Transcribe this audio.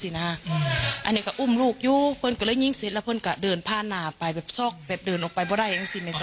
อันนี้ก็อุ้มลูกอยู่เพื่อนก็เลยยิงเสร็จแล้วเพื่อนก็เดินผ้าหน้าไปแบบซอกแบบเดินออกไปไม่ได้ทั้งสิ้นเลยจ้